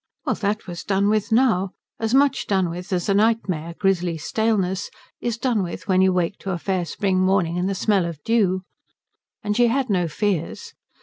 Well, that was done with now; as much done with as a nightmare, grisly staleness, is done with when you wake to a fair spring morning and the smell of dew. And she had no fears.